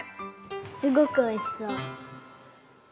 すごくおいしそう！